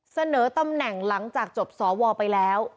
เสนอตำแหน่งหลังจากจบสวไปแล้ว